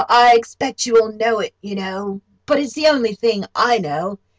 I expect you all know it, you know. But it's the only thing I know.